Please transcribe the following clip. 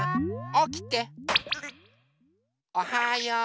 おはよう。